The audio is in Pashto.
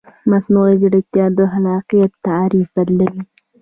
مصنوعي ځیرکتیا د خلاقیت تعریف بدلوي.